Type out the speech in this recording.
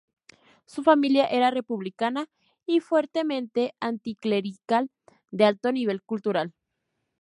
Su familia era republicana y fuertemente anticlerical, de alto nivel cultural.